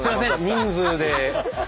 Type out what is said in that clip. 人数で。